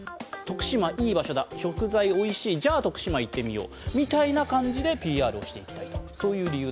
徳島いい場所だ、食材おいしいじゃ、徳島、行ってみようみたいな感じでＰＲをしていきたい。